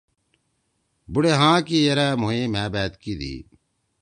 بُوڑے ہاں کی یرأ مھوئے مھأ بأت کیِدی۔